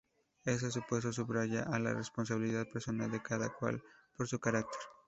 Este supuesto subraya la responsabilidad personal de cada cual por su carácter.